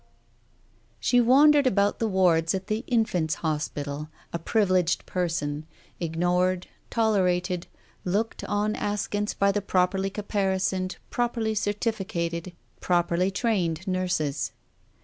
She wandered about the wards at the Infants' Hos pital, a privileged person, ignored, tolerated, looked on askance by the properly caparisoned, properly certifi cated, properly trained nurses.